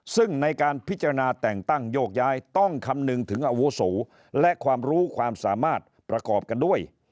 ซึ่งในการพิจารณาแต่งตั้งโยกย้ายต้องคำนึงถึงอาวุโสและความรู้ความสามารถประกอบกันด้วย